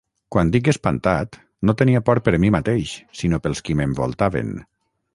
Quan dic espantat, no tenia por per mi mateix, sinó pels qui m'envoltaven.